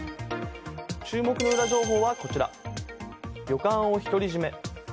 注目のウラ情報は旅館を独り占め。